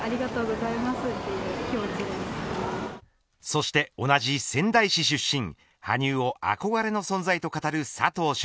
そして、同じ仙台市出身羽生を憧れの存在と語る佐藤駿。